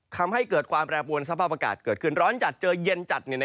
ทำให้เกิดความแปรปวนสภาพอากาศเกิดขึ้นร้อนจัดเจอเย็นจัด